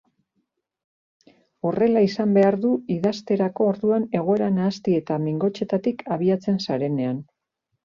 Horrela izan behar du idazterako orduan egoera nahasti eta mingotsetatik abiatzen zarenean.